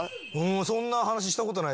そんな話したことないです